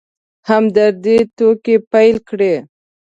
همدرد ټوکې پيل کړې.